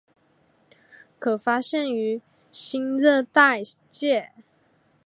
可发现于新热带界。